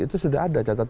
itu sudah ada